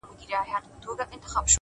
پوهه انسان آزادوي.!